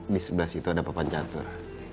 di sebelah situ ada papan catur